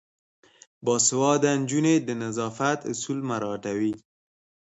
باسواده نجونې د نظافت اصول مراعاتوي.